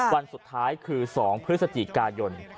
วันสุดท้ายคือ๒พฤศจิกายน